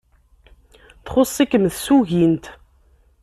Txuṣṣ-ikem tsugint.